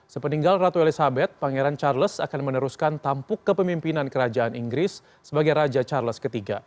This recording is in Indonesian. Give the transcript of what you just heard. sepeninggal ratu elizabeth pangeran charles akan meneruskan tampuk kepemimpinan kerajaan inggris sebagai raja charles iii